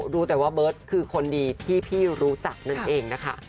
รู้แต่ว่าเบิร์ตคือคนดีที่พี่รู้จักนั่นเองนะคะ